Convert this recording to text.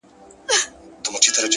حقیقت ورو خو تل خپل ځان ښکاره کوي!.